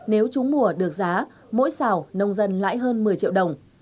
nếu trúng mùa được giá mỗi xào nông dân lãi hơn một mươi triệu đồng